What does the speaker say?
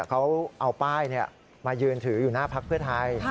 เขาเอาป้ายมายืนถืออยู่หน้าพักเพื่อไทย